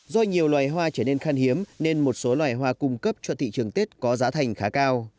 do nhiều loài hoa trở nên khan hiếm nên một số loài hoa cung cấp cho thị trường tết có giá thành khá cao